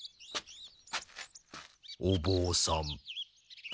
おぼうさん。